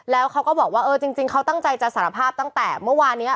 แล้วเขาก็บอกว่าเออจริงเขาตั้งใจจะสารภาพตั้งแต่เมื่อวานนี้